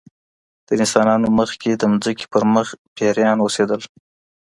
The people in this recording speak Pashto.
تر انسانانو مخکي د مځکي پر مخ پيريان اوسېدل